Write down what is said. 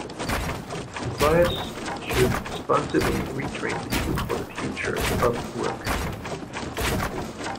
Employers should responsibly retrain people for the future of work.